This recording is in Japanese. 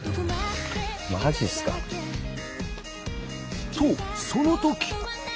マジっすか。とそのとき。